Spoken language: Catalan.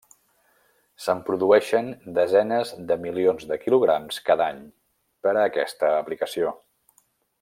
Se'n produeixen desenes de milions de kilograms cada any per a aquesta aplicació.